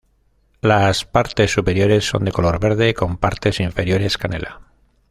Las partes superiores son de color verde, con partes inferiores canela.